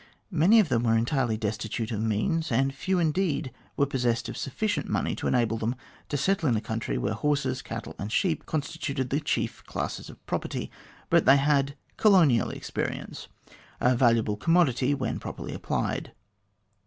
Many of them were entirely destitute of means, and few indeed were possessed of sufficient money to enable them to settle in a country where horses, cattle, and sheep constituted the chief classes of property. But they had " colonial ex perience " a valuable commodity when properly applied.